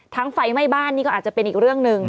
ไฟไหม้บ้านนี่ก็อาจจะเป็นอีกเรื่องหนึ่ง